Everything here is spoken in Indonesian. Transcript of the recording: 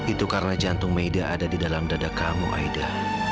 itu karena jantung maida ada di dalam dada kamu aida